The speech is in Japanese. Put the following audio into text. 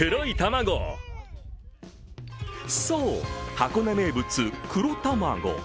そう、箱根名物・黒たまご。